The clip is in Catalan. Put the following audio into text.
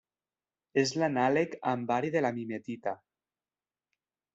És l'anàleg amb bari de la mimetita.